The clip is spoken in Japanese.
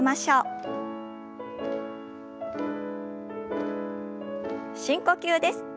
深呼吸です。